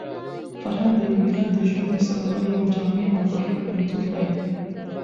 فرهنګ د یو ملت د ژوند د څرنګوالي یو جامع او بشپړ انځور دی.